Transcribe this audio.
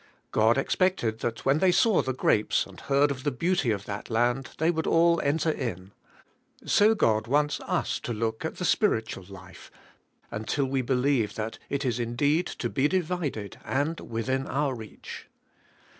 God expected that when they saw the grapes and heard of the beaut}^ of that land they would all enter in. So God wants us to look at the spiritual life, until we believe that it is in deed to be divided, and within our reach.